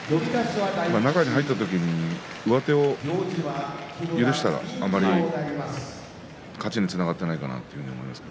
中に入った時に上手を許したらあまり勝ちにつながっていないかなと思います。